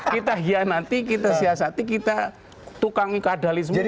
kita hianati kita siasati kita tukangi keadali semua